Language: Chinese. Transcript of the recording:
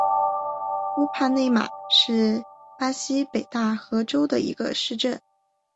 乌帕内马是巴西北大河州的一个市镇。